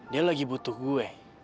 dia lagi butuh gue